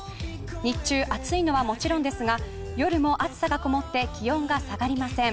日中、暑いのはもちろんですが夜も熱さがこもって気温が下がりません。